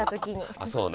あそうね。